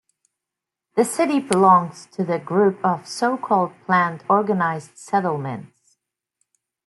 The city belongs to the group of so-called planned organized settlements.